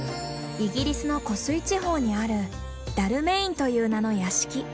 イギリスの湖水地方にあるダルメインという名の屋敷。